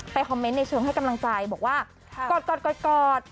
ไปคอมเมนต์ในเชิงให้กำลังใจบอกว่ากอดกอดกอดกอด